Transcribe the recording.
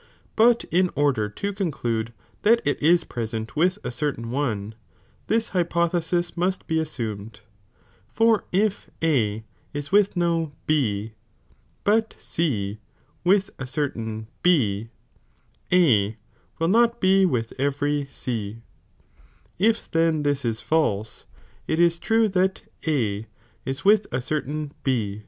But in order to con clude that it is present with a certain one, this liypolhesis must be assumed, for if A is with no B, but C with a certain B, A will Dot be with every C, if then this is false, it is true that A ia with a certaii) B.